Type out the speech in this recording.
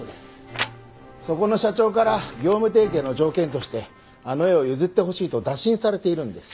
そこの社長から業務提携の条件としてあの絵を譲ってほしいと打診されているんです。